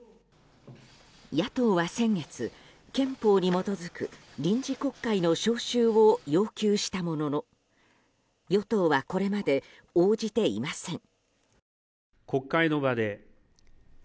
野党は先月、憲法に基づく臨時国会の召集を要求したものの与党はこれまで応じていません。